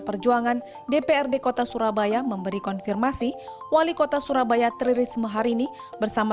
perjuangan dprd kota surabaya memberi konfirmasi wali kota surabaya tri risma hari ini bersama